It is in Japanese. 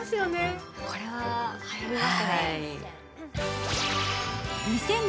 これは、はやりますね。